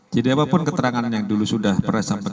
jadi apapun keterangan yang dulu sudah perasaan sama kakak